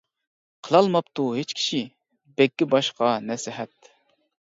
قىلالماپتۇ ھېچ كىشى، بەگكە باشقا نەسىھەت.